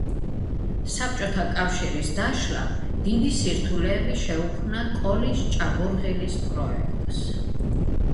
საბჭოთა კავშირის დაშლამ დიდი სირთულეები შეუქმნა კოლის ჭაბურღილის პროექტს.